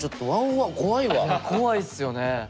怖いっすよね。